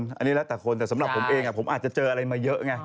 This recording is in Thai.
อันนี้แล้วแต่คนแต่สำหรับผมเองผมอาจจะเจออะไรมาเยอะไง